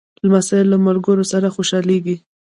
لمسی له ملګرو سره خوشحالېږي.